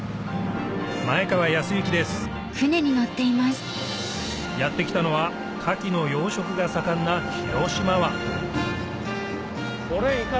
前川泰之ですやって来たのはカキの養殖が盛んな広島湾これ筏？